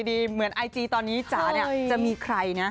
ส่องดีเหมือนไอจีตอนนี้จ๋าจะมีใครนะ